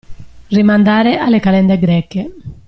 Rimandare alle calende greche.